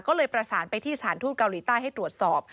ก็เลยประสานไปที่สถานทูตเกาหลีใต้ให้ตรวจสอบ